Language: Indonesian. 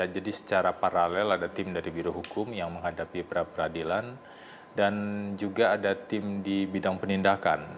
jadi secara paralel ada tim dari birohukum yang menghadapi peradilan dan juga ada tim di bidang penindakan